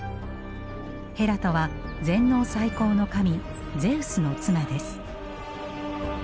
ヘラとは全能最高の神ゼウスの妻です。